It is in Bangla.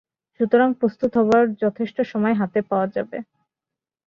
সুতরাং প্রস্তুত হবার যথেষ্ট সময় হাতে পাওয়া যাবে।